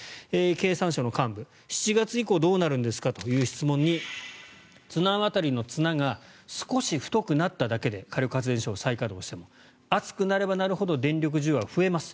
経産省の幹部、７月以降どうなるんですかという質問に綱渡りの綱が少し太くなっただけで火力発電所を再稼働しても暑くなればなるほど電力需給は増えます